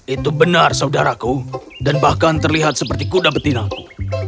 itu benar saudaraku dan bahkan terlihat seperti kuda betinaku